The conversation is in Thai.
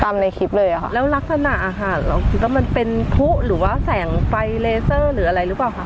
ในคลิปเลยอ่ะค่ะแล้วลักษณะอาหารเราคิดว่ามันเป็นพลุหรือว่าแสงไฟเลเซอร์หรืออะไรหรือเปล่าคะ